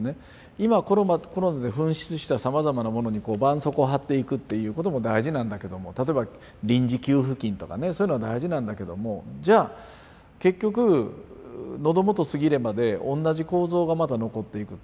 今コロナで噴出したさまざまなものにこう絆創膏を貼っていくっていうことも大事なんだけども例えば臨時給付金とかねそういうのは大事なんだけどもじゃあ結局「喉元過ぎれば」で同じ構造がまた残っていくと。